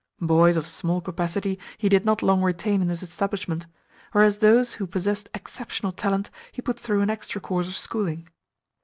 Boys of small capacity he did not long retain in his establishment; whereas those who possessed exceptional talent he put through an extra course of schooling.